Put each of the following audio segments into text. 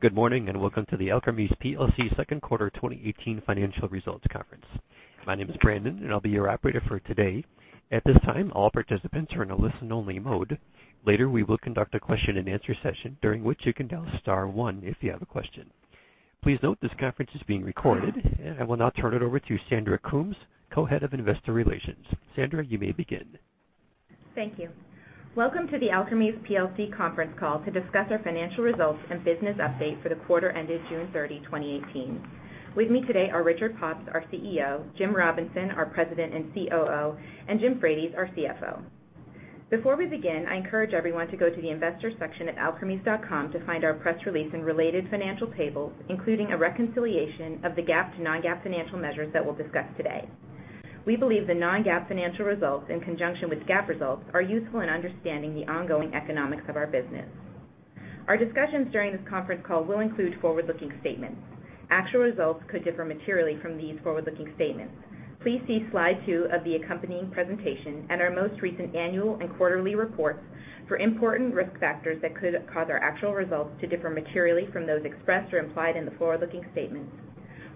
Good morning, and welcome to the Alkermes PLC second quarter 2018 financial results conference. My name is Brandon, and I'll be your operator for today. At this time, all participants are in a listen-only mode. Later, we will conduct a question and answer session, during which you can dial star one if you have a question. Please note this conference is being recorded, and I will now turn it over to Sandy Coombs, co-head of investor relations. Sandy, you may begin. Thank you. Welcome to the Alkermes PLC conference call to discuss our financial results and business update for the quarter ended June 30, 2018. With me today are Richard Pops, our CEO, James Robinson, our President and COO, and James Frates, our CFO. Before we begin, I encourage everyone to go to the investors section at alkermes.com to find our press release and related financial tables, including a reconciliation of the GAAP to non-GAAP financial measures that we'll discuss today. We believe the non-GAAP financial results, in conjunction with GAAP results, are useful in understanding the ongoing economics of our business. Our discussions during this conference call will include forward-looking statements. Actual results could differ materially from these forward-looking statements. Please see slide two of the accompanying presentation and our most recent annual and quarterly reports for important risk factors that could cause our actual results to differ materially from those expressed or implied in the forward-looking statements.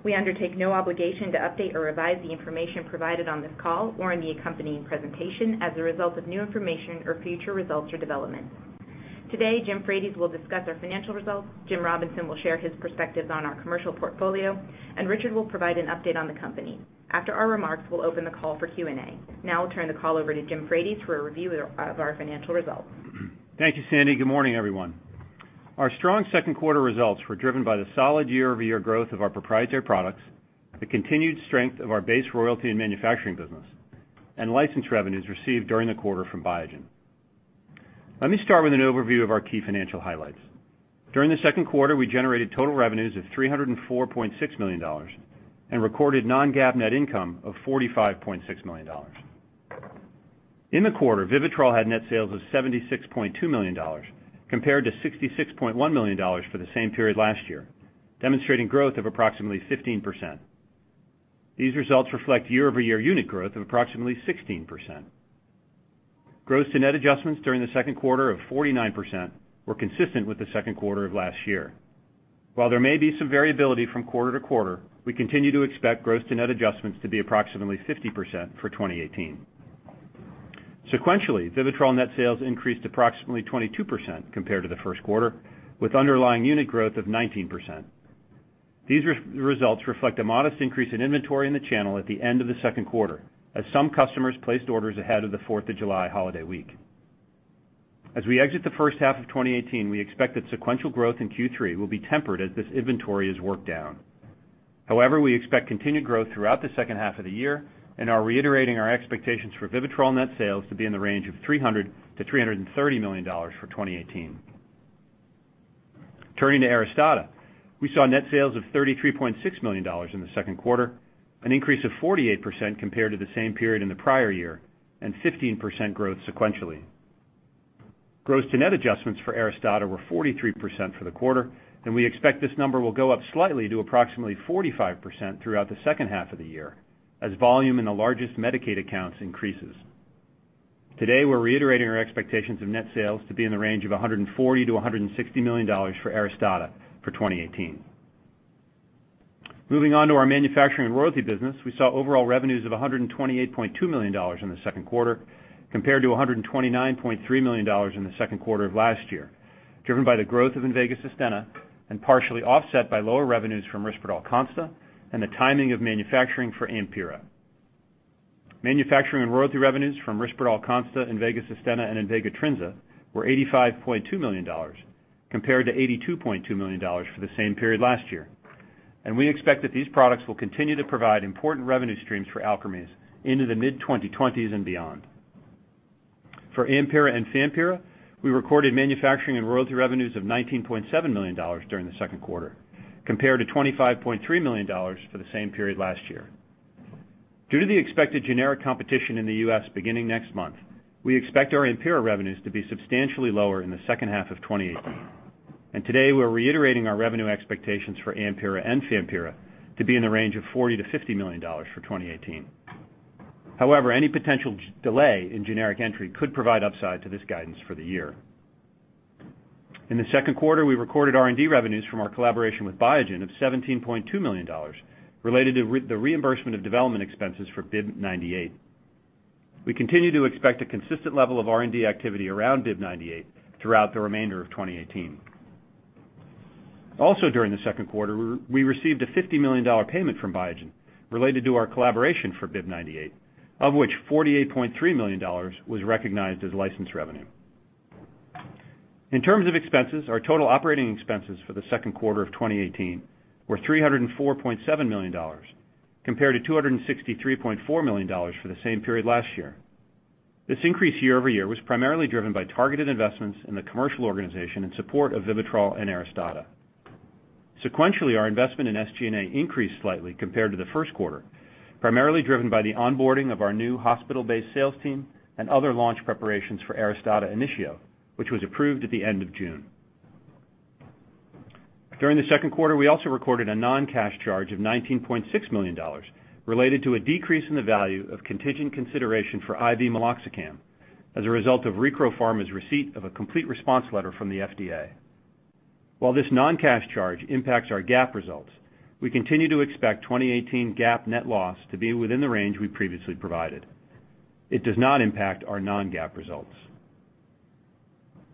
We undertake no obligation to update or revise the information provided on this call or in the accompanying presentation as a result of new information or future results or developments. Today, James Frates will discuss our financial results. James Robinson will share his perspectives on our commercial portfolio, and Richard will provide an update on the company. After our remarks, we'll open the call for Q&A. Now I'll turn the call over to James Frates for a review of our financial results. Thank you, Sandy. Good morning, everyone. Our strong second quarter results were driven by the solid year-over-year growth of our proprietary products, the continued strength of our base royalty and manufacturing business, and license revenues received during the quarter from Biogen. Let me start with an overview of our key financial highlights. During the second quarter, we generated total revenues of $304.6 million and recorded non-GAAP net income of $45.6 million. In the quarter, VIVITROL had net sales of $76.2 million, compared to $66.1 million for the same period last year, demonstrating growth of approximately 15%. These results reflect year-over-year unit growth of approximately 16%. Gross to net adjustments during the second quarter of 49% were consistent with the second quarter of last year. While there may be some variability from quarter to quarter, we continue to expect gross to net adjustments to be approximately 50% for 2018. Sequentially, VIVITROL net sales increased approximately 22% compared to the first quarter, with underlying unit growth of 19%. These results reflect a modest increase in inventory in the channel at the end of the second quarter, as some customers placed orders ahead of the Fourth of July holiday week. As we exit the first half of 2018, we expect that sequential growth in Q3 will be tempered as this inventory is worked down. However, we expect continued growth throughout the second half of the year and are reiterating our expectations for VIVITROL net sales to be in the range of $300 million to $330 million for 2018. Turning to ARISTADA, we saw net sales of $33.6 million in the second quarter, an increase of 48% compared to the same period in the prior year and 15% growth sequentially. Gross to net adjustments for ARISTADA were 43% for the quarter, and we expect this number will go up slightly to approximately 45% throughout the second half of the year as volume in the largest Medicaid accounts increases. Today, we're reiterating our expectations of net sales to be in the range of $140 million to $160 million for ARISTADA for 2018. Moving on to our manufacturing and royalty business, we saw overall revenues of $128.2 million in the second quarter compared to $129.3 million in the second quarter of last year, driven by the growth of INVEGA SUSTENNA and partially offset by lower revenues from RISPERDAL CONSTA and the timing of manufacturing for AMPYRA. Manufacturing and royalty revenues from RISPERDAL CONSTA, INVEGA SUSTENNA, and INVEGA TRINZA were $85.2 million compared to $82.2 million for the same period last year. We expect that these products will continue to provide important revenue streams for Alkermes into the mid-2020s and beyond. For AMPYRA and FAMPYRA, we recorded manufacturing and royalty revenues of $19.7 million during the second quarter, compared to $25.3 million for the same period last year. Due to the expected generic competition in the U.S. beginning next month, we expect our AMPYRA revenues to be substantially lower in the second half of 2018, and today we're reiterating our revenue expectations for AMPYRA and FAMPYRA to be in the range of $40 million to $50 million for 2018. However, any potential delay in generic entry could provide upside to this guidance for the year. In the second quarter, we recorded R&D revenues from our collaboration with Biogen of $17.2 million related to the reimbursement of development expenses for BIIB098. We continue to expect a consistent level of R&D activity around BIIB098 throughout the remainder of 2018. Also during the second quarter, we received a $50 million payment from Biogen related to our collaboration for BIIB098, of which $48.3 million was recognized as licensed revenue. In terms of expenses, our total operating expenses for the second quarter of 2018 were $304.7 million, compared to $263.4 million for the same period last year. This increase year-over-year was primarily driven by targeted investments in the commercial organization in support of VIVITROL and ARISTADA. Sequentially, our investment in SG&A increased slightly compared to the first quarter, primarily driven by the onboarding of our new hospital-based sales team and other launch preparations for ARISTADA INITIO, which was approved at the end of June. During the second quarter, we also recorded a non-cash charge of $19.6 million related to a decrease in the value of contingent consideration for IV meloxicam as a result of Recro Pharma's receipt of a complete response letter from the FDA. While this non-cash charge impacts our GAAP results, we continue to expect 2018 GAAP net loss to be within the range we previously provided. It does not impact our non-GAAP results.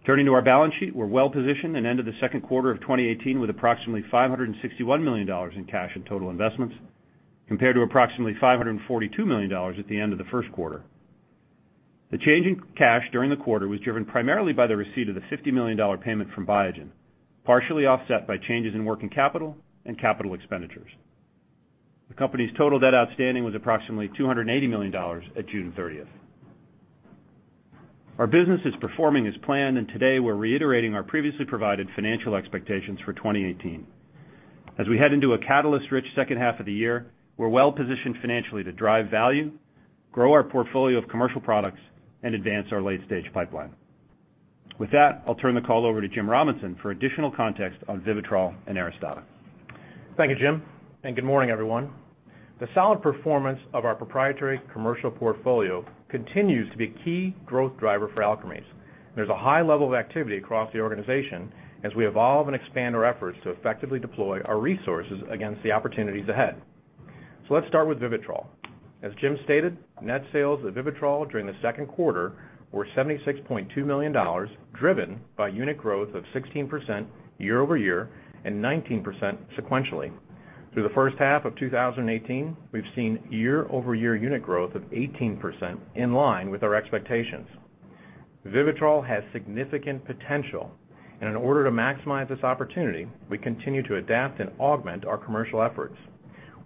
Turning to our balance sheet, we're well-positioned and ended the second quarter of 2018 with approximately $561 million in cash and total investments, compared to approximately $542 million at the end of the first quarter. The change in cash during the quarter was driven primarily by the receipt of the $50 million payment from Biogen, partially offset by changes in working capital and capital expenditures. The company's total debt outstanding was approximately $280 million at June 30th. Our business is performing as planned. Today we're reiterating our previously provided financial expectations for 2018. As we head into a catalyst-rich second half of the year, we're well-positioned financially to drive value, grow our portfolio of commercial products, and advance our late-stage pipeline. With that, I'll turn the call over to James Robinson for additional context on VIVITROL and ARISTADA. Thank you, Jim, and good morning, everyone. The solid performance of our proprietary commercial portfolio continues to be a key growth driver for Alkermes. There's a high level of activity across the organization as we evolve and expand our efforts to effectively deploy our resources against the opportunities ahead. Let's start with VIVITROL. As Jim stated, net sales of VIVITROL during the second quarter were $76.2 million, driven by unit growth of 16% year-over-year and 19% sequentially. Through the first half of 2018, we've seen year-over-year unit growth of 18%, in line with our expectations. VIVITROL has significant potential. In order to maximize this opportunity, we continue to adapt and augment our commercial efforts.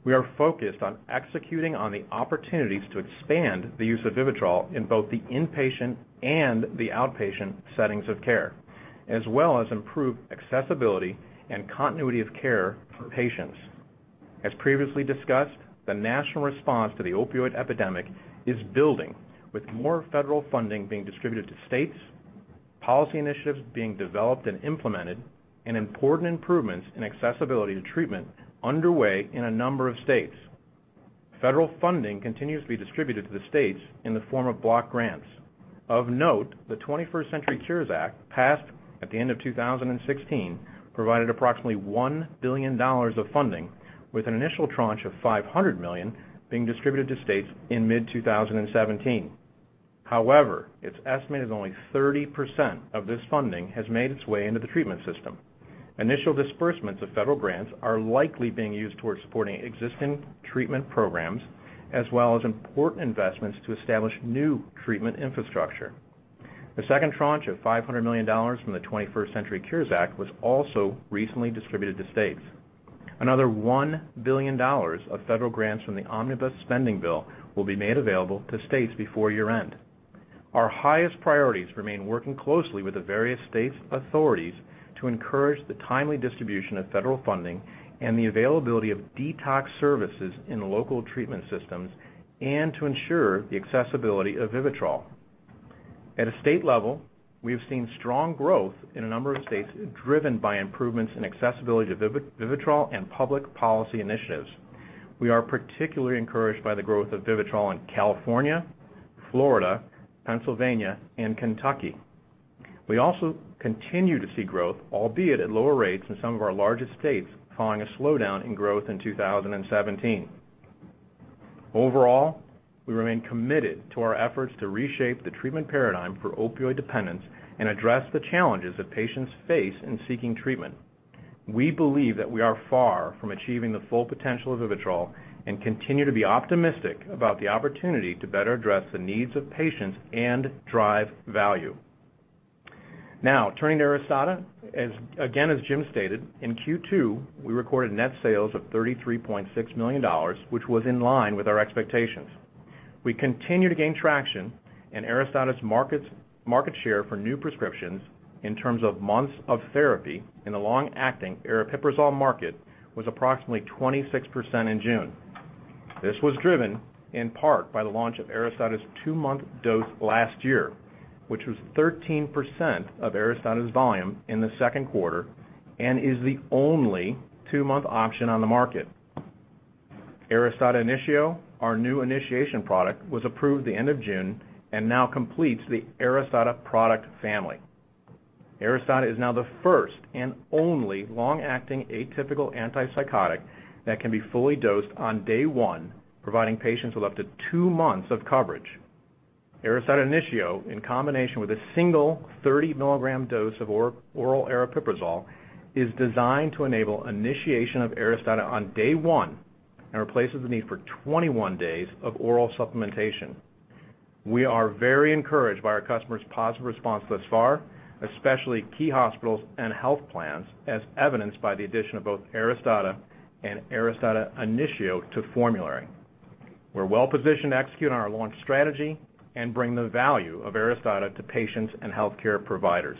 We are focused on executing on the opportunities to expand the use of VIVITROL in both the inpatient and the outpatient settings of care, as well as improve accessibility and continuity of care for patients. As previously discussed, the national response to the opioid epidemic is building, with more federal funding being distributed to states, policy initiatives being developed and implemented, and important improvements in accessibility to treatment underway in a number of states. Federal funding continues to be distributed to the states in the form of block grants. Of note, the 21st Century Cures Act, passed at the end of 2016, provided approximately $1 billion of funding with an initial tranche of $500 million being distributed to states in mid-2017. It's estimated only 30% of this funding has made its way into the treatment system. Initial disbursements of federal grants are likely being used towards supporting existing treatment programs, as well as important investments to establish new treatment infrastructure. The second tranche of $500 million from the 21st Century Cures Act was also recently distributed to states. Another $1 billion of federal grants from the Omnibus Spending Bill will be made available to states before year-end. Our highest priorities remain working closely with the various states' authorities to encourage the timely distribution of federal funding and the availability of detox services in local treatment systems, and to ensure the accessibility of VIVITROL. At a state level, we have seen strong growth in a number of states driven by improvements in accessibility to VIVITROL and public policy initiatives. We are particularly encouraged by the growth of VIVITROL in California, Florida, Pennsylvania, and Kentucky. We also continue to see growth, albeit at lower rates in some of our largest states, following a slowdown in growth in 2017. Overall, we remain committed to our efforts to reshape the treatment paradigm for opioid dependence and address the challenges that patients face in seeking treatment. We believe that we are far from achieving the full potential of VIVITROL and continue to be optimistic about the opportunity to better address the needs of patients and drive value. Now, turning to ARISTADA. Again, as Jim stated, in Q2, we recorded net sales of $33.6 million, which was in line with our expectations. We continue to gain traction in ARISTADA's market share for new prescriptions in terms of months of therapy in the long-acting aripiprazole market was approximately 26% in June. This was driven in part by the launch of ARISTADA's two-month dose last year, which was 13% of ARISTADA's volume in the second quarter and is the only two-month option on the market. ARISTADA Initio, our new initiation product, was approved the end of June and now completes the ARISTADA product family. ARISTADA is now the first and only long-acting atypical antipsychotic that can be fully dosed on day one, providing patients with up to two months of coverage. ARISTADA Initio, in combination with a single 30-milligram dose of oral aripiprazole, is designed to enable initiation of ARISTADA on day one and replaces the need for 21 days of oral supplementation. We are very encouraged by our customers' positive response thus far, especially key hospitals and health plans, as evidenced by the addition of both ARISTADA and ARISTADA Initio to formulary. We're well-positioned to execute on our launch strategy and bring the value of ARISTADA to patients and healthcare providers.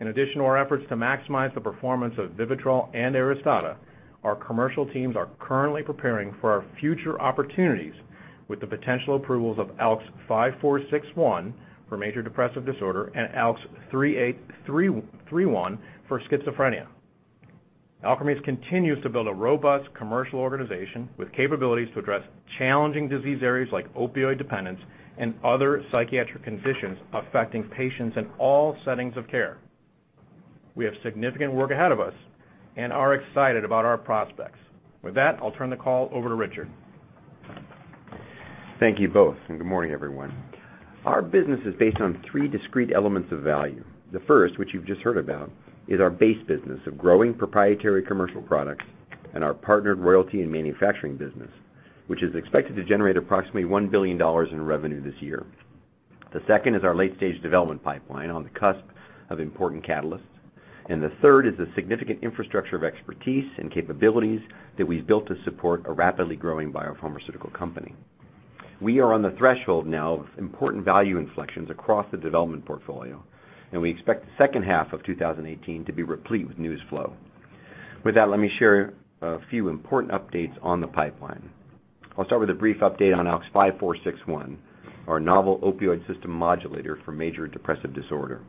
In addition to our efforts to maximize the performance of VIVITROL and ARISTADA, our commercial teams are currently preparing for our future opportunities with the potential approvals of ALKS 5461 for major depressive disorder and ALKS 3831 for schizophrenia. Alkermes continues to build a robust commercial organization with capabilities to address challenging disease areas like opioid dependence and other psychiatric conditions affecting patients in all settings of care. We have significant work ahead of us and are excited about our prospects. With that, I'll turn the call over to Richard. Thank you both. Good morning, everyone. Our business is based on three discrete elements of value. The first, which you've just heard about, is our base business of growing proprietary commercial products and our partnered royalty and manufacturing business, which is expected to generate approximately $1 billion in revenue this year. The second is our late-stage development pipeline on the cusp of important catalysts. The third is the significant infrastructure of expertise and capabilities that we've built to support a rapidly growing biopharmaceutical company. We are on the threshold now of important value inflections across the development portfolio. We expect the second half of 2018 to be replete with news flow. With that, let me share a few important updates on the pipeline. I'll start with a brief update on ALKS 5461, our novel opioid system modulator for major depressive disorder.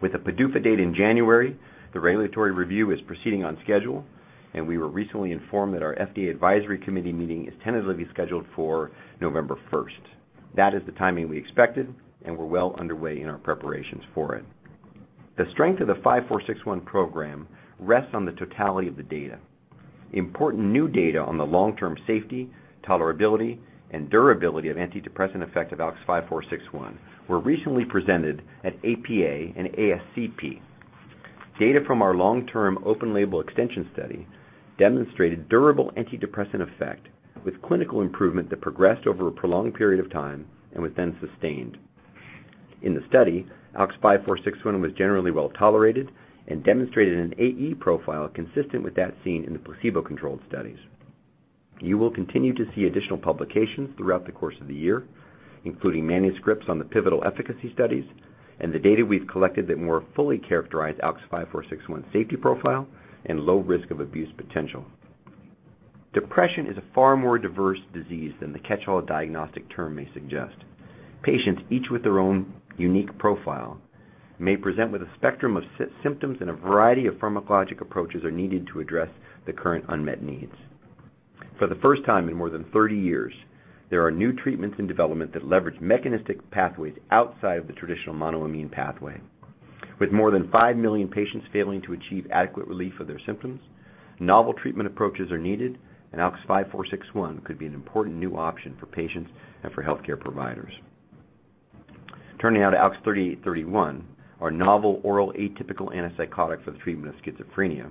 With a PDUFA date in January, the regulatory review is proceeding on schedule. We were recently informed that our FDA advisory committee meeting is tentatively scheduled for November 1st. That is the timing we expected. We're well underway in our preparations for it. The strength of the 5461 program rests on the totality of the data. Important new data on the long-term safety, tolerability, and durability of antidepressant effect of ALKS 5461 were recently presented at APA and ASCP. Data from our long-term open label extension study demonstrated durable antidepressant effect with clinical improvement that progressed over a prolonged period of time and was then sustained. In the study, ALKS 5461 was generally well-tolerated and demonstrated an AE profile consistent with that seen in the placebo-controlled studies. You will continue to see additional publications throughout the course of the year, including manuscripts on the pivotal efficacy studies and the data we've collected that more fully characterize ALKS 5461 safety profile and low risk of abuse potential. Depression is a far more diverse disease than the catch-all diagnostic term may suggest. Patients, each with their own unique profile, may present with a spectrum of symptoms, and a variety of pharmacologic approaches are needed to address the current unmet needs. For the first time in more than 30 years, there are new treatments in development that leverage mechanistic pathways outside of the traditional monoamine pathway. With more than 5 million patients failing to achieve adequate relief of their symptoms, novel treatment approaches are needed, and ALKS 5461 could be an important new option for patients and for healthcare providers. Turning now to ALKS 3831, our novel oral atypical antipsychotic for the treatment of schizophrenia.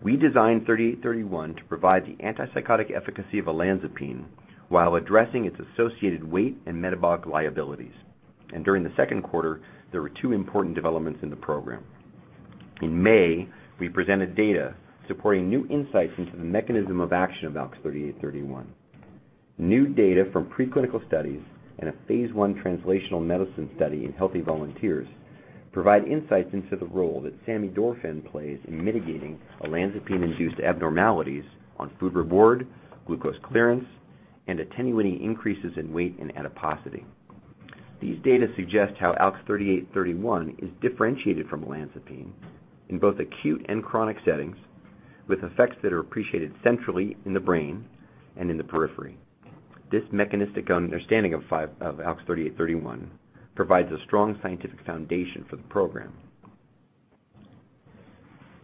We designed 3831 to provide the antipsychotic efficacy of olanzapine while addressing its associated weight and metabolic liabilities. During the second quarter, there were two important developments in the program. In May, we presented data supporting new insights into the mechanism of action of ALKS 3831. New data from preclinical studies and a phase I translational medicine study in healthy volunteers provide insights into the role that samidorphan plays in mitigating olanzapine-induced abnormalities on food reward, glucose clearance, and attenuating increases in weight and adiposity. These data suggest how ALKS 3831 is differentiated from olanzapine in both acute and chronic settings, with effects that are appreciated centrally in the brain and in the periphery. This mechanistic understanding of ALKS 3831 provides a strong scientific foundation for the program.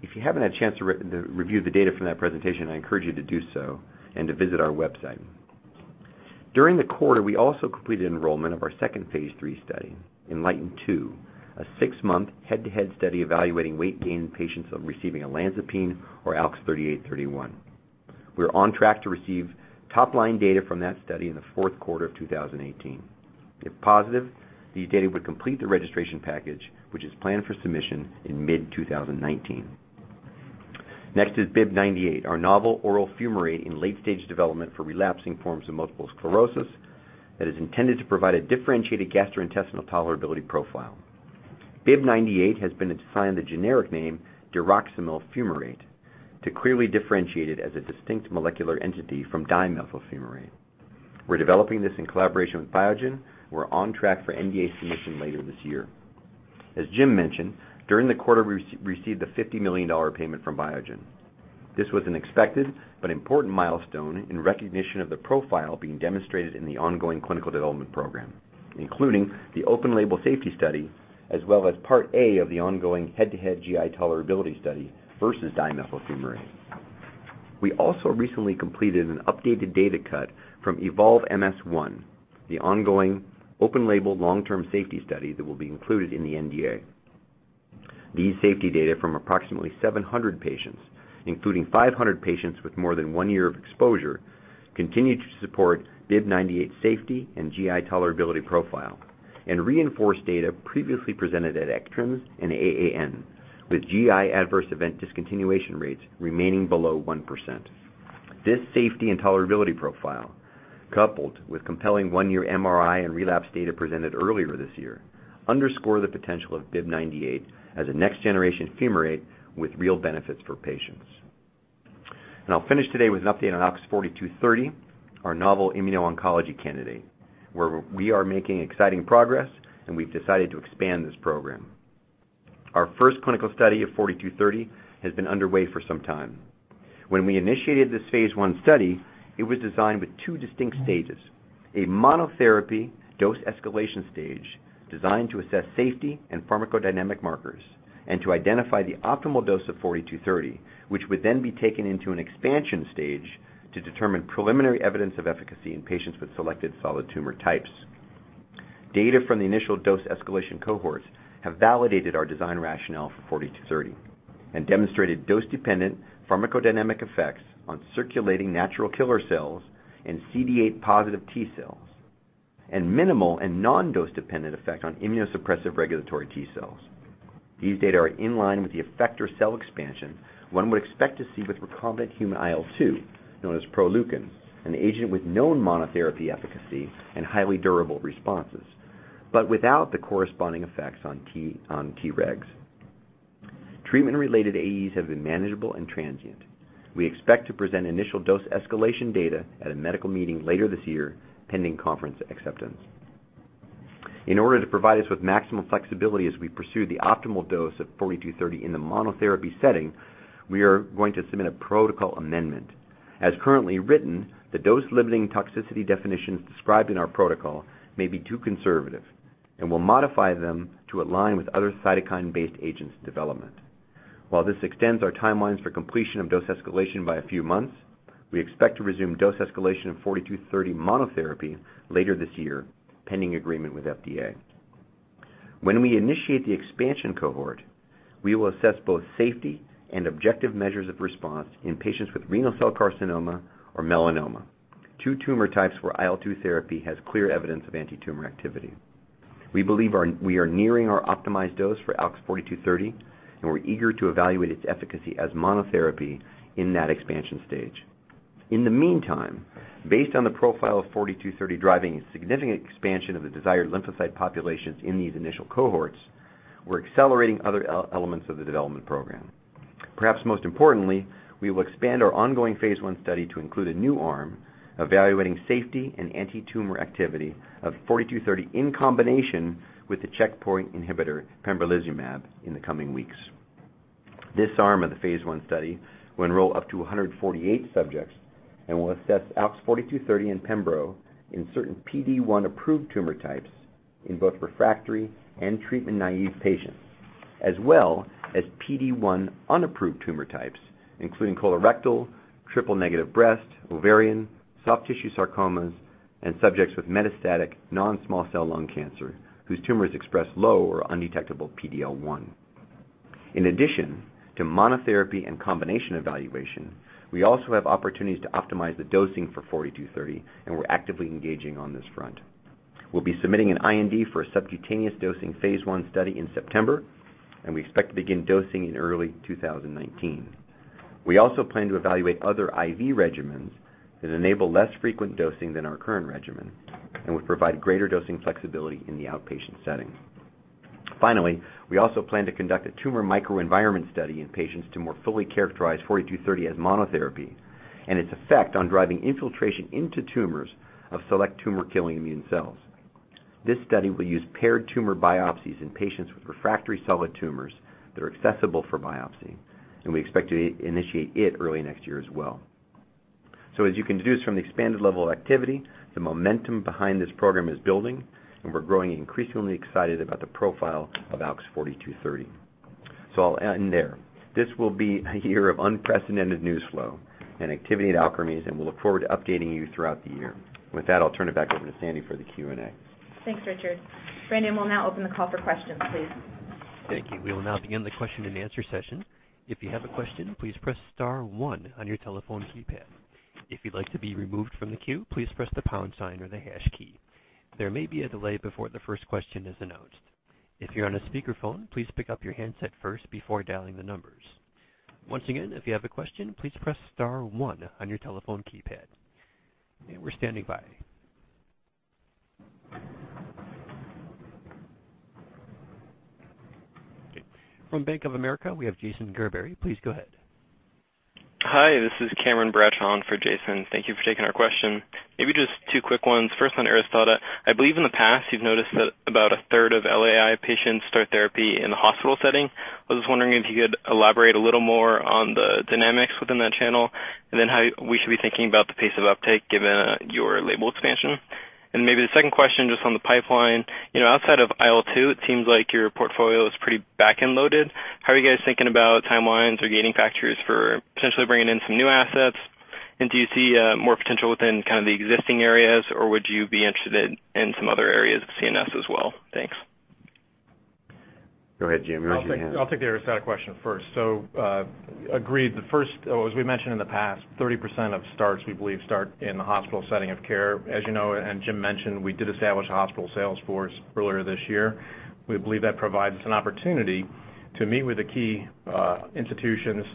If you haven't had a chance to review the data from that presentation, I encourage you to do so and to visit our website. During the quarter, we also completed enrollment of our second phase III study, ENLIGHTEN-2, a six-month head-to-head study evaluating weight gain in patients receiving olanzapine or ALKS 3831. We're on track to receive top-line data from that study in the fourth quarter of 2018. If positive, these data would complete the registration package, which is planned for submission in mid-2019. Next is BIIB098, our novel oral fumarate in late-stage development for relapsing forms of multiple sclerosis that is intended to provide a differentiated gastrointestinal tolerability profile. BIIB098 has been assigned the generic name diroximel fumarate to clearly differentiate it as a distinct molecular entity from dimethyl fumarate. We're developing this in collaboration with Biogen. We're on track for NDA submission later this year. As Jim mentioned, during the quarter, we received a $50 million payment from Biogen. This was an expected but important milestone in recognition of the profile being demonstrated in the ongoing clinical development program, including the open-label safety study, as well as part A of the ongoing head-to-head GI tolerability study versus dimethyl fumarate. We also recently completed an updated data cut from EVOLVE-MS-1, the ongoing open-label long-term safety study that will be included in the NDA. These safety data from approximately 700 patients, including 500 patients with more than one year of exposure, continue to support BIIB098's safety and GI tolerability profile and reinforce data previously presented at ECTRIMS and AAN, with GI adverse event discontinuation rates remaining below 1%. This safety and tolerability profile, coupled with compelling one-year MRI and relapse data presented earlier this year, underscore the potential of BIIB098 as a next-generation fumarate with real benefits for patients. I'll finish today with an update on ALKS 4230, our novel immuno-oncology candidate, where we are making exciting progress, and we've decided to expand this program. Our first clinical study of ALKS 4230 has been underway for some time. When we initiated this phase I study, it was designed with two distinct stages, a monotherapy dose escalation stage designed to assess safety and pharmacodynamic markers and to identify the optimal dose of ALKS 4230, which would then be taken into an expansion stage to determine preliminary evidence of efficacy in patients with selected solid tumor types. Data from the initial dose escalation cohorts have validated our design rationale for ALKS 4230 and demonstrated dose-dependent pharmacodynamic effects on circulating natural killer cells and CD8 positive T cells, and minimal and non-dose-dependent effect on immunosuppressive regulatory T cells. These data are in line with the effector cell expansion one would expect to see with recombinant human IL-2, known as Proleukin, an agent with known monotherapy efficacy and highly durable responses, but without the corresponding effects on Tregs. Treatment-related AEs have been manageable and transient. We expect to present initial dose escalation data at a medical meeting later this year, pending conference acceptance. In order to provide us with maximum flexibility as we pursue the optimal dose of ALKS 4230 in the monotherapy setting, we are going to submit a protocol amendment. As currently written, the dose-limiting toxicity definitions described in our protocol may be too conservative, and we'll modify them to align with other cytokine-based agents' development. While this extends our timelines for completion of dose escalation by a few months, we expect to resume dose escalation of 4230 monotherapy later this year, pending agreement with FDA. When we initiate the expansion cohort, we will assess both safety and objective measures of response in patients with renal cell carcinoma or melanoma. Two tumor types where IL-2 therapy has clear evidence of anti-tumor activity. We believe we are nearing our optimized dose for ALKS 4230, and we're eager to evaluate its efficacy as monotherapy in that expansion stage. In the meantime, based on the profile of 4230 driving significant expansion of the desired lymphocyte populations in these initial cohorts, we're accelerating other elements of the development program. Perhaps most importantly, we will expand our ongoing phase I study to include a new arm evaluating safety and anti-tumor activity of 4230 in combination with the checkpoint inhibitor pembrolizumab in the coming weeks. This arm of the phase I study will enroll up to 148 subjects and will assess ALKS 4230 and pembro in certain PD-1 approved tumor types in both refractory and treatment naive patients, as well as PD-1 unapproved tumor types, including colorectal, triple negative breast, ovarian, soft tissue sarcomas, and subjects with metastatic non-small cell lung cancer whose tumors express low or undetectable PD-L1. In addition to monotherapy and combination evaluation, we also have opportunities to optimize the dosing for 4230, and we're actively engaging on this front. We'll be submitting an IND for a subcutaneous dosing phase I study in September, and we expect to begin dosing in early 2019. We also plan to evaluate other IV regimens that enable less frequent dosing than our current regimen and would provide greater dosing flexibility in the outpatient setting. Finally, we also plan to conduct a tumor microenvironment study in patients to more fully characterize 4230 as monotherapy and its effect on driving infiltration into tumors of select tumor killing immune cells. This study will use paired tumor biopsies in patients with refractory solid tumors that are accessible for biopsy, and we expect to initiate it early next year as well. As you can deduce from the expanded level of activity, the momentum behind this program is building, and we're growing increasingly excited about the profile of ALKS 4230. I'll end there. This will be a year of unprecedented news flow and activity at Alkermes, and we'll look forward to updating you throughout the year. With that, I'll turn it back over to Sandy for the Q&A. Thanks, Richard. Brandon, we'll now open the call for questions, please. Thank you. We will now begin the question and answer session. If you have a question, please press star one on your telephone keypad. If you'd like to be removed from the queue, please press the pound sign or the hash key. There may be a delay before the first question is announced. If you're on a speakerphone, please pick up your handset first before dialing the numbers. Once again, if you have a question, please press star one on your telephone keypad. We're standing by. From Bank of America, we have Jason Gerberry. Please go ahead. Hi, this is Cameron Bradshaw for Jason. Thank you for taking our question. Maybe just two quick ones. First on ARISTADA, I believe in the past you've noticed that about a third of LAI patients start therapy in the hospital setting. I was just wondering if you could elaborate a little more on the dynamics within that channel, and then how we should be thinking about the pace of uptake given your label expansion. Maybe the second question, just on the pipeline. Outside of IL-2, it seems like your portfolio is pretty back-end loaded. How are you guys thinking about timelines or gating factors for potentially bringing in some new assets, and do you see more potential within the existing areas, or would you be interested in some other areas of CNS as well? Thanks. Go ahead, Jim. We heard you had your hand up. I'll take the ARISTADA question first. Agreed. The first, as we mentioned in the past, 30% of starts we believe start in the hospital setting of care. As you know, Jim mentioned, we did establish a hospital sales force earlier this year. We believe that provides us an opportunity to meet with the key institutions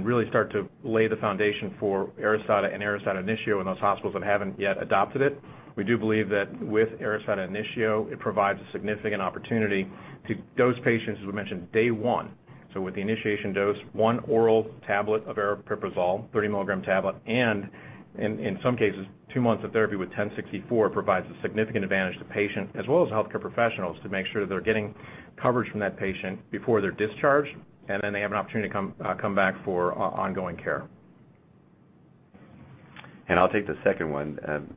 Really start to lay the foundation for ARISTADA and ARISTADA Initio in those hospitals that haven't yet adopted it. We do believe that with ARISTADA Initio, it provides a significant opportunity to dose patients, as we mentioned, day one. With the initiation dose, one oral tablet of aripiprazole, 30 milligram tablet, and in some cases, two months of therapy with 1064 provides a significant advantage to patient as well as healthcare professionals to make sure that they're getting coverage from that patient before they're discharged, they have an opportunity to come back for ongoing care. I'll take the second one.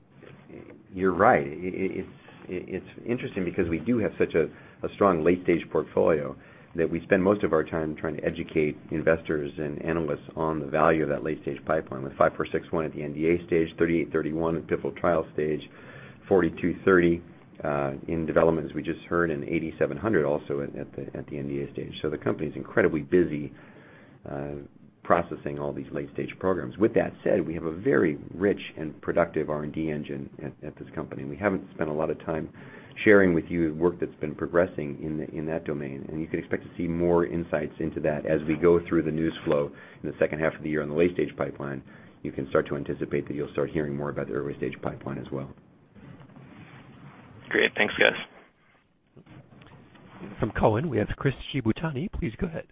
You're right. It's interesting because we do have such a strong late-stage portfolio that we spend most of our time trying to educate investors and analysts on the value of that late-stage pipeline with 5461 at the NDA stage, 3831 at pivotal trial stage, 4230 in development as we just heard, 8700 also at the NDA stage. The company's incredibly busy processing all these late-stage programs. With that said, we have a very rich and productive R&D engine at this company, we haven't spent a lot of time sharing with you work that's been progressing in that domain. You can expect to see more insights into that as we go through the news flow in the second half of the year on the late-stage pipeline. You can start to anticipate that you'll start hearing more about the early-stage pipeline as well. Great. Thanks, guys. From Cowen, we have Chris Shibutani. Please go ahead.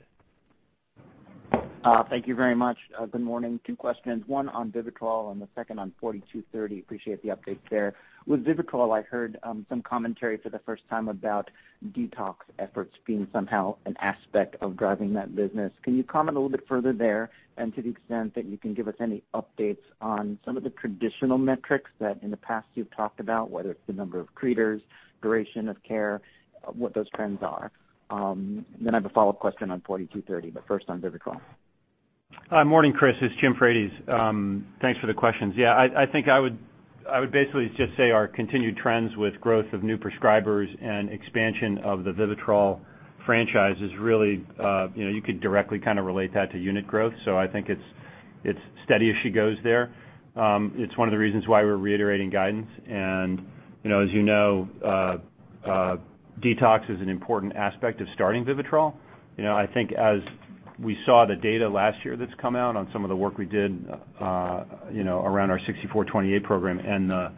Thank you very much. Good morning. Two questions, one on VIVITROL and the second on 4230. Appreciate the updates there. With VIVITROL, I heard some commentary for the first time about detox efforts being somehow an aspect of driving that business. Can you comment a little bit further there? To the extent that you can give us any updates on some of the traditional metrics that in the past you've talked about, whether it's the number of treaters, duration of care, what those trends are. I have a follow-up question on 4230, but first on VIVITROL. Morning, Chris. It's Jim Frates. Thanks for the questions. I think I would basically just say our continued trends with growth of new prescribers and expansion of the VIVITROL franchise is really, you could directly relate that to unit growth. I think it's steady as she goes there. It's one of the reasons why we're reiterating guidance. As you know, detox is an important aspect of starting VIVITROL. I think as we saw the data last year that's come out on some of the work we did around our 6428 program and the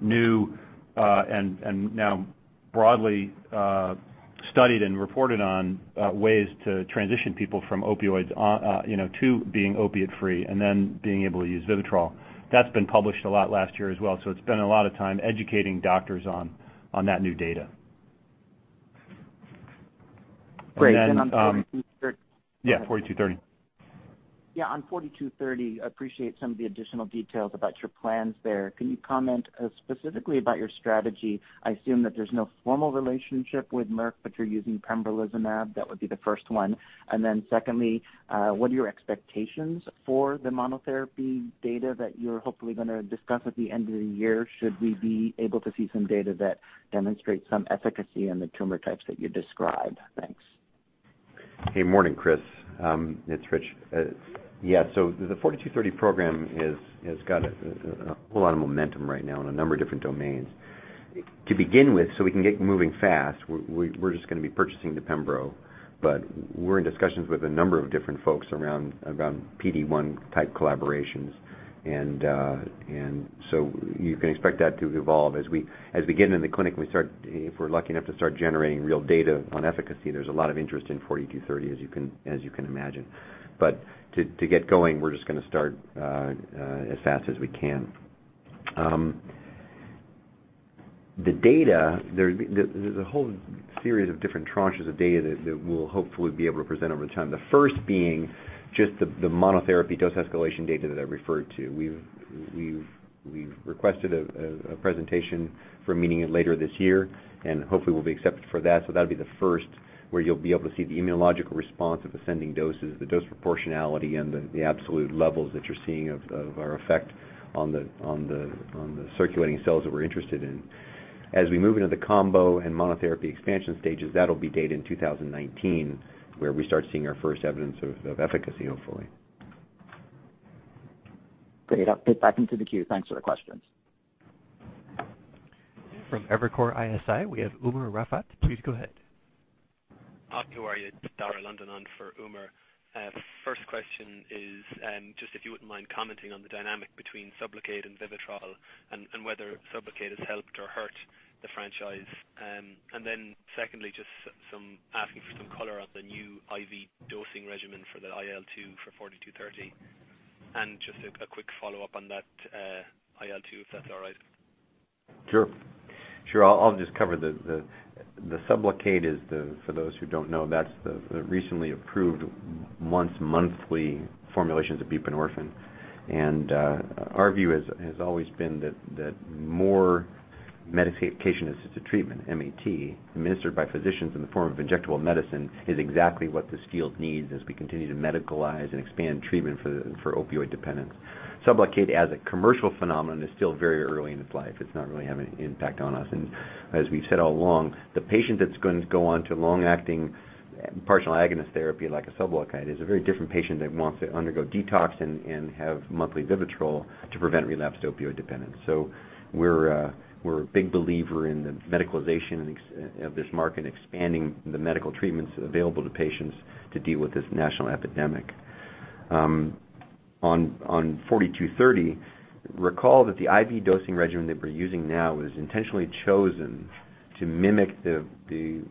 new, and now broadly studied and reported on ways to transition people from opioids to being opiate free, and then being able to use VIVITROL. That's been published a lot last year as well. It's been a lot of time educating doctors on that new data. Great. Then on 4230. Yeah. 4230. Yeah. On 4230, appreciate some of the additional details about your plans there. Can you comment specifically about your strategy? I assume that there's no formal relationship with Merck, but you're using pembrolizumab. That would be the first one. Then secondly, what are your expectations for the monotherapy data that you're hopefully going to discuss at the end of the year? Should we be able to see some data that demonstrates some efficacy in the tumor types that you described? Thanks. Hey, morning, Chris. It's Rich. Yeah. The 4230 program has got a whole lot of momentum right now in a number of different domains. To begin with, we can get moving fast, we're just going to be purchasing the pembro, but we're in discussions with a number of different folks around PD-1 type collaborations. You can expect that to evolve as we get into the clinic and if we're lucky enough to start generating real data on efficacy, there's a lot of interest in 4230 as you can imagine. To get going, we're just going to start as fast as we can. The data, there's a whole series of different tranches of data that we'll hopefully be able to present over time. The first being just the monotherapy dose escalation data that I referred to. We've requested a presentation for a meeting later this year, hopefully we'll be accepted for that. That'll be the first where you'll be able to see the immunological response of ascending doses, the dose proportionality and the absolute levels that you're seeing of our effect on the circulating cells that we're interested in. As we move into the combo and monotherapy expansion stages, that'll be data in 2019 where we start seeing our first evidence of efficacy, hopefully. Great. I'll put it back into the queue. Thanks for the questions. From Evercore ISI, we have Umer Raffat. Please go ahead. How are you? Dara London on for Umer. First question is just if you wouldn't mind commenting on the dynamic between SUBLOCADE and VIVITROL, whether SUBLOCADE has helped or hurt the franchise. Secondly, just asking for some color on the new IV dosing regimen for the IL-2 for 4230. Just a quick follow-up on that IL-2, if that's all right. Sure. I'll just cover the SUBLOCADE is, for those who don't know, that's the recently approved once monthly formulations of buprenorphine. Our view has always been that more medication-assisted treatment, MAT, administered by physicians in the form of injectable medicine is exactly what this field needs as we continue to medicalize and expand treatment for opioid dependence. SUBLOCADE as a commercial phenomenon is still very early in its life. It's not really having an impact on us. As we've said all along, the patient that's going to go on to long-acting partial agonist therapy like a SUBLOCADE is a very different patient that wants to undergo detox and have monthly VIVITROL to prevent relapsed opioid dependence. We're a big believer in the medicalization of this market, expanding the medical treatments available to patients to deal with this national epidemic. On 4230, recall that the IV dosing regimen that we're using now was intentionally chosen to mimic the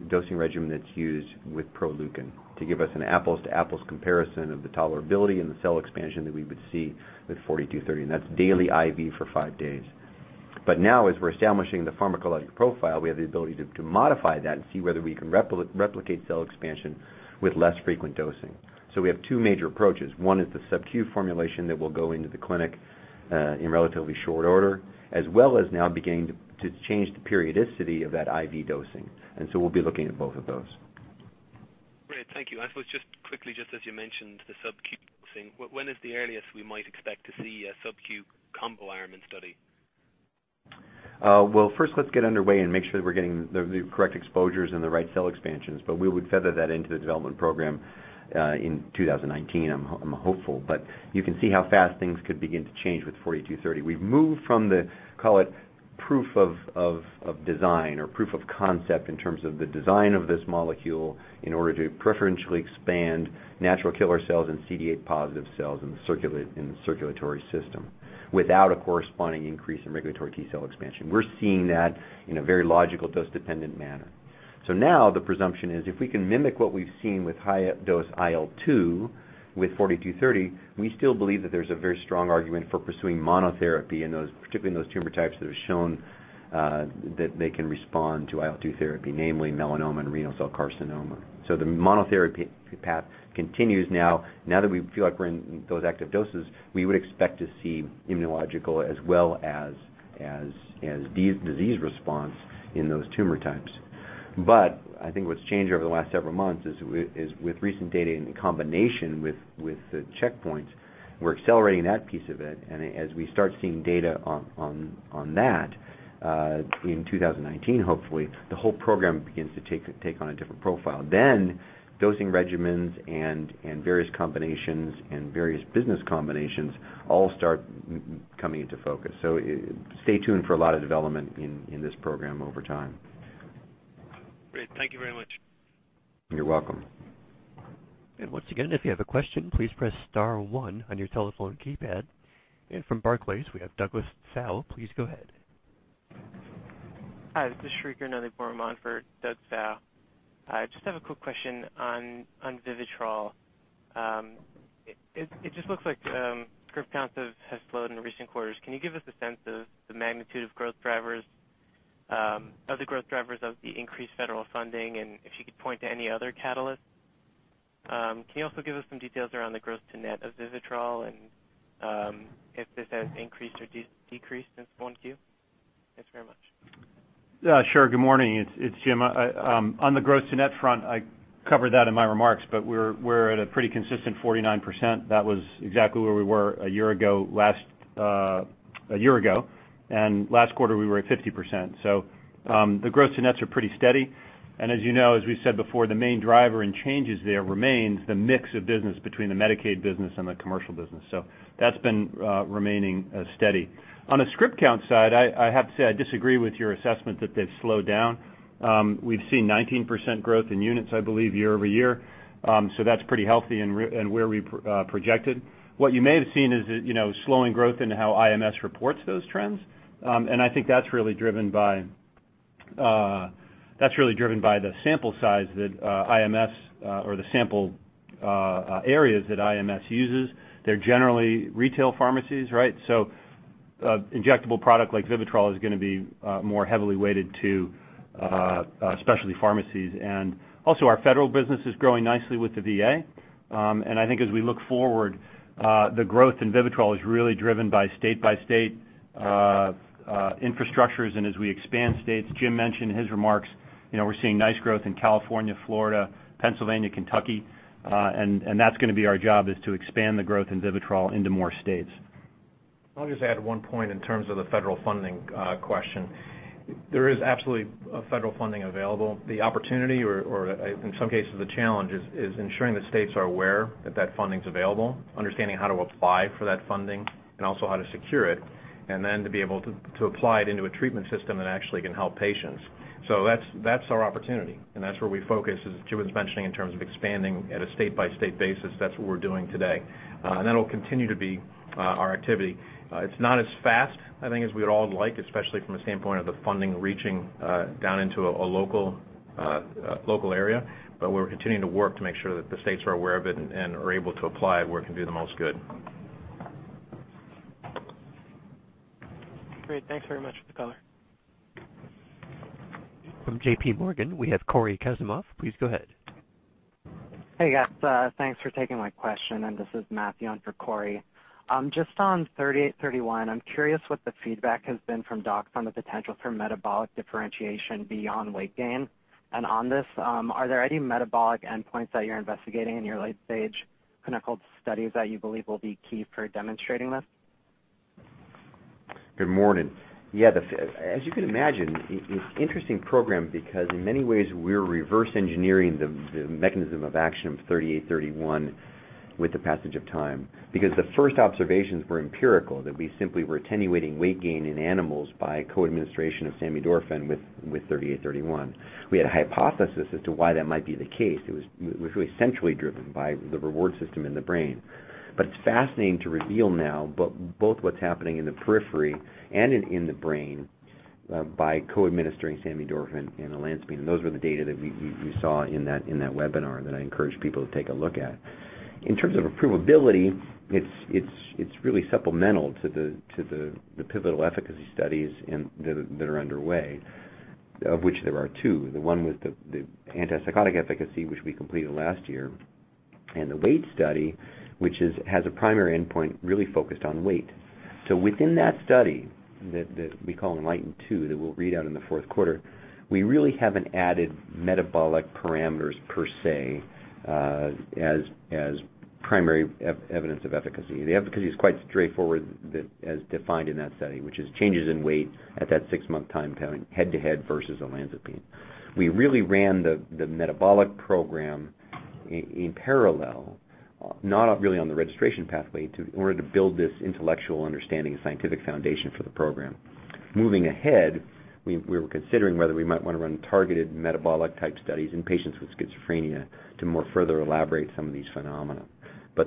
dosing regimen that's used with Proleukin to give us an apples-to-apples comparison of the tolerability and the cell expansion that we would see with 4230, and that's daily IV for five days. Now as we're establishing the pharmacologic profile, we have the ability to modify that and see whether we can replicate cell expansion with less frequent dosing. We have two major approaches. One is the subcutaneous formulation that will go into the clinic in relatively short order, as well as now beginning to change the periodicity of that IV dosing, we'll be looking at both of those. Great. Thank you. I suppose just quickly, just as you mentioned, the subcutaneous dosing, when is the earliest we might expect to see a subcutaneous combo arm in study? First let's get underway and make sure that we're getting the correct exposures and the right cell expansions. We would feather that into the development program in 2019, I'm hopeful. You can see how fast things could begin to change with 4230. We've moved from the, call it proof of design or proof of concept in terms of the design of this molecule in order to preferentially expand natural killer cells and CD8-positive cells in the circulatory system without a corresponding increase in regulatory T cell expansion. We're seeing that in a very logical dose-dependent manner. Now the presumption is, if we can mimic what we've seen with high-dose IL-2 with 4230, we still believe that there's a very strong argument for pursuing monotherapy, particularly in those tumor types that have shown that they can respond to IL-2 therapy, namely melanoma and renal cell carcinoma. The monotherapy path continues now. Now that we feel like we're in those active doses, we would expect to see immunological as well as disease response in those tumor types. I think what's changed over the last several months is with recent data in combination with the checkpoints, we're accelerating that piece of it. As we start seeing data on that in 2019 hopefully, the whole program begins to take on a different profile. Dosing regimens and various combinations and various business combinations all start coming into focus. Stay tuned for a lot of development in this program over time. Great. Thank you very much. You're welcome. Once again, if you have a question, please press *1 on your telephone keypad. From Barclays, we have Douglas Tsao. Please go ahead. Hi, this is Srikar Nadipuram for Doug Tsao. I just have a quick question on VIVITROL. It just looks like script counts have slowed in recent quarters. Can you give us a sense of the magnitude of the growth drivers of the increased federal funding, and if you could point to any other catalysts? Can you also give us some details around the gross to net of VIVITROL, and if this has increased or decreased since 1Q? Thanks very much. Sure. Good morning. It's Jim. On the gross to net front, I covered that in my remarks, but we're at a pretty consistent 49%. That was exactly where we were a year ago. Last quarter, we were at 50%. The gross to nets are pretty steady. As you know, as we said before, the main driver in changes there remains the mix of business between the Medicaid business and the commercial business. That's been remaining steady. On the script count side, I have to say I disagree with your assessment that they've slowed down. We've seen 19% growth in units, I believe, year-over-year. That's pretty healthy and where we projected. What you may have seen is slowing growth in how IMS reports those trends, and I think that's really driven by the sample size or the sample areas that IMS uses. They're generally retail pharmacies. Injectable product like VIVITROL is going to be more heavily weighted to specialty pharmacies. Also our federal business is growing nicely with the VA. I think as we look forward, the growth in VIVITROL is really driven by state-by-state infrastructures, and as we expand states, Jim mentioned in his remarks, we're seeing nice growth in California, Florida, Pennsylvania, Kentucky, and that's going to be our job, is to expand the growth in VIVITROL into more states. I'll just add one point in terms of the federal funding question. There is absolutely federal funding available. The opportunity or in some cases the challenge is ensuring that states are aware that funding's available, understanding how to apply for that funding, and also how to secure it, and then to be able to apply it into a treatment system that actually can help patients. That's our opportunity, and that's where we focus, as Jim was mentioning, in terms of expanding at a state-by-state basis. That's what we're doing today. That'll continue to be our activity. It's not as fast, I think, as we'd all like, especially from the standpoint of the funding reaching down into a local area. We're continuing to work to make sure that the states are aware of it and are able to apply it where it can do the most good. Great. Thanks very much for the color. From JPMorgan, we have Cory Kasimov. Please go ahead. Hey, guys. Thanks for taking my question, and this is Matthew Harrison on for Cory Kasimov. Just on ALKS 3831, I'm curious what the feedback has been from docs on the potential for metabolic differentiation beyond weight gain. On this, are there any metabolic endpoints that you're investigating in your late-stage clinical studies that you believe will be key for demonstrating this? Good morning. Yeah, as you can imagine, it's interesting program because in many ways, we're reverse engineering the mechanism of action of ALKS 3831 with the passage of time. The first observations were empirical, that we simply were attenuating weight gain in animals by co-administration of samidorphan with ALKS 3831. We had a hypothesis as to why that might be the case. It was really centrally driven by the reward system in the brain. It's fascinating to reveal now both what's happening in the periphery and in the brain by co-administering samidorphan and olanzapine. Those were the data that you saw in that webinar that I encourage people to take a look at. In terms of approvability, it's really supplemental to the pivotal efficacy studies that are underway, of which there are two. The one with the antipsychotic efficacy, which we completed last year, and the weight study, which has a primary endpoint really focused on weight. Within that study that we call ENLIGHTEN 2, that we'll read out in the fourth quarter, we really haven't added metabolic parameters per se as primary evidence of efficacy. The efficacy is quite straightforward as defined in that study, which is changes in weight at that six-month time, head-to-head versus olanzapine. We really ran the metabolic program in parallel, not really on the registration pathway, in order to build this intellectual understanding and scientific foundation for the program. Moving ahead, we were considering whether we might want to run targeted metabolic type studies in patients with schizophrenia to more further elaborate some of these phenomena.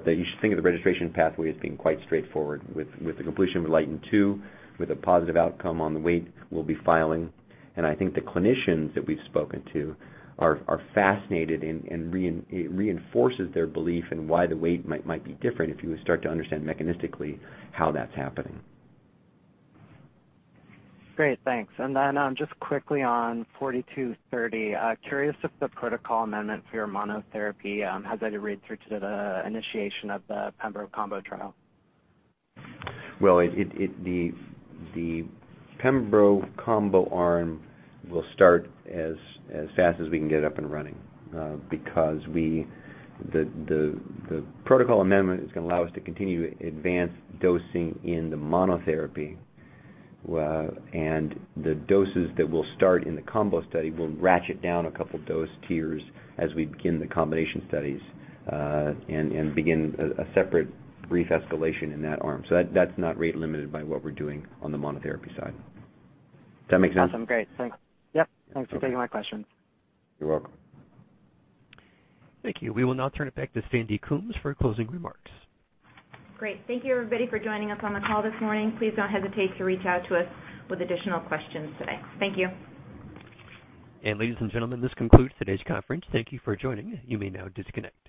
You should think of the registration pathway as being quite straightforward with the completion of ENLIGHTEN 2, with a positive outcome on the weight we'll be filing. I think the clinicians that we've spoken to are fascinated, and it reinforces their belief in why the weight might be different if you would start to understand mechanistically how that's happening. Great, thanks. Then just quickly on 4230, curious if the protocol amendment for your monotherapy has had to read through to the initiation of the pembro combo trial. The pembro combo arm will start as fast as we can get up and running because the protocol amendment is going to allow us to continue advanced dosing in the monotherapy. The doses that will start in the combo study will ratchet down a couple dose tiers as we begin the combination studies and begin a separate brief escalation in that arm. That's not rate limited by what we're doing on the monotherapy side. Does that make sense? Awesome. Great. Thanks. Yep. Okay. Thanks for taking my questions. You're welcome. Thank you. We will now turn it back to Sandy Coombs for closing remarks. Great. Thank you everybody for joining us on the call this morning. Please don't hesitate to reach out to us with additional questions today. Thank you. Ladies and gentlemen, this concludes today's conference. Thank you for joining. You may now disconnect.